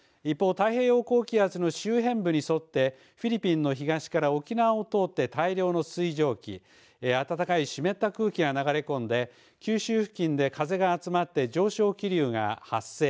一方、太平洋高気圧の中心部に沿ってフィリピンの東から沖縄を通って大量の水蒸気暖かい湿った空気が流れ込んで九州付近で風が集まって上昇気流が発生。